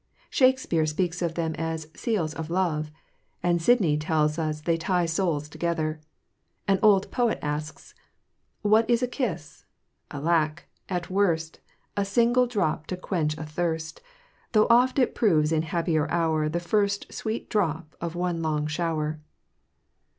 Shakespeare speaks of them as "seals of love," and Sidney tells us they tie souls together. An old poet asks: What is a kiss? alacke! at worst, A single drop to quench a thirst, Tho' oft it proves in happier hour The first sweet drop of one long shower.